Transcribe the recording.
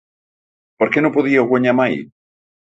Per què no podia guanyar mai?